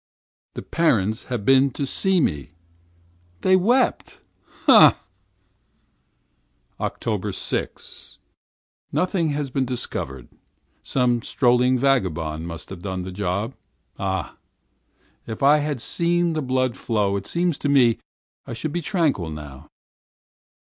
The parents have been to see me. They wept! Ah! ah! 6th October. Nothing has been discovered. Some strolling vagabond must have done the deed. Ah! ah! If I had seen the blood flow, it seems to me I should be tranquil now!